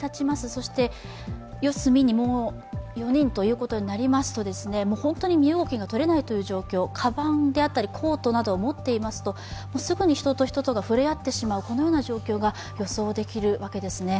そして四隅に４人となりますと本当に身動きがとれないという状況、かばんであったり、コートなどを持っていますと、すぐに人と人とが触れ合ってしまう状況が予想できるわけです。